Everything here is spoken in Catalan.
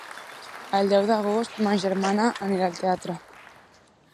El deu d'agost ma germana anirà al teatre.